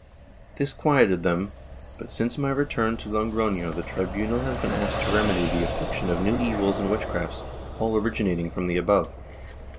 This quieted them but, since my return to Logroiio the tribunal has been asked to remedy the affliction of new evils and witchcrafts, all originating from the above."